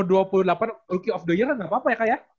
rookie of the year kan gak apa apa ya kak ya